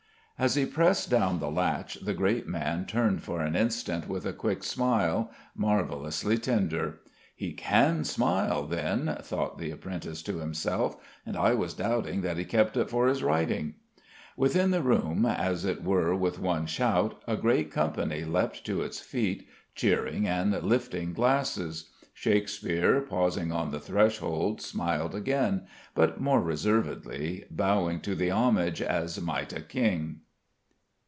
As he pressed down the latch the great man turned for an instant with a quick smile, marvellously tender. "He can smile, then?" thought the apprentice to himself. "And I was doubting that he kept it for his writing!" Within the room, as it were with one shout, a great company leapt to its feet, cheering and lifting glasses. Shakespeare, pausing on the threshold, smiled again, but more reservedly, bowing to the homage as might a king.